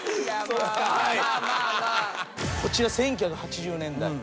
こちら１９８０年代。